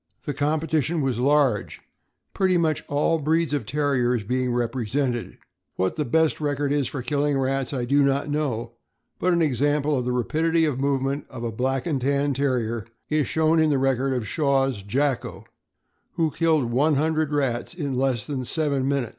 The competition was large, pretty much all breeds of Terriers being repre sented. What the best record is for killing rats I do not know, but an example of the rapidity of movement of a Black and Tan Terrier is shown in the record of Shaw's Jacko, who killed one hundred rats in less than seven minutes.